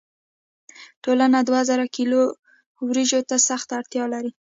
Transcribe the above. ټولنه دوه زره کیلو وریجو ته سخته اړتیا لري.